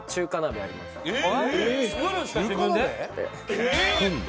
えっ！？